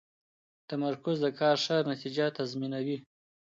تمرکز د کار ښه نتیجه تضمینوي.